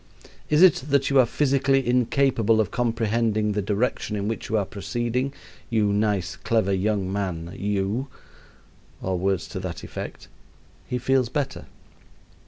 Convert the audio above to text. Is it that you are physically incapable of comprehending the direction in which you are proceeding? you nice, clever young man you!" or words to that effect, he feels better.